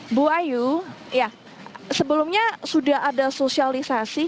ibu ayu sebelumnya sudah ada sosialisasi